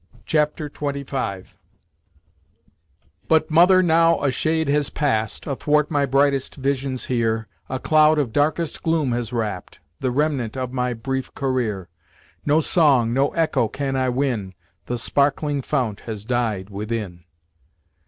Chapter XXV "But, mother, now a shade has past, Athwart my brightest visions here, A cloud of darkest gloom has wrapt, The remnant of my brief career! No song, no echo can I win, The sparkling fount has died within."